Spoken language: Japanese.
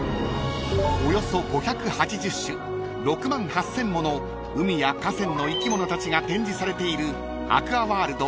［およそ５８０種６万８，０００もの海や河川の生き物たちが展示されているアクアワールド